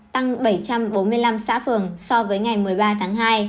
tăng thêm hai trăm một mươi xã phường so với đánh giá ngày chín tháng hai